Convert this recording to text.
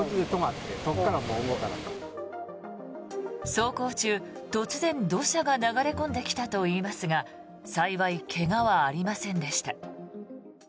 走行中、突然、土砂が流れ込んできたといいますが幸い、怪我はありませんでした。